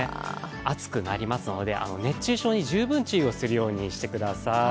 暑くなりますので、熱中症に十分、注意をするようにしてください。